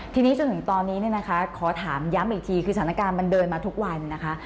ทีนี้จนถึงตอนนี้เนี่ยนะคะขอถามย้ำอีกทีคือสถานการณ์มันเดินมาทุกวันนะคะ